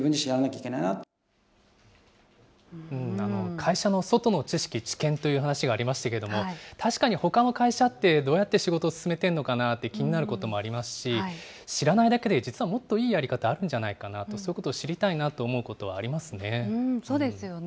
会社の外の知識、知見という話がありましたけれども、確かにほかの会社ってどうやって仕事を進めてるのかなって気になることもありますし、知らないだけで実はもっといいやり方あるんじゃないかなと、そういうことを知りたいなと思うことはありますそうですよね。